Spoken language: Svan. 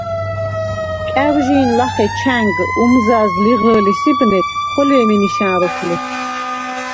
კა̈ვჟი̄ნ ლახე ჩა̈ნგ უმზა̈ზდ ლიღჷ̄ლის იბნე, ხოლე̄მი ნიშა̈ნ როქვ ლი.